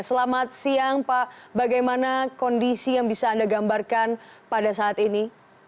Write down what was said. selamat siang pak bagaimana kondisi yang bisa anda gambarkan pada saat ini